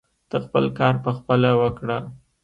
ته خپل کار پخپله وکړه.